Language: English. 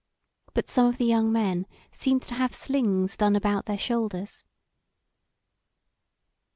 But some of the young men seemed to have slings done about their shoulders.